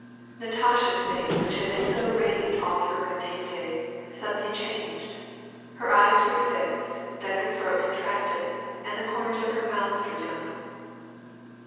Natasha's face which had been so radiant all through her name day, suddenly changed ; her eyes grew fixed, then her throat contracted, and the corners of her mouth drew down.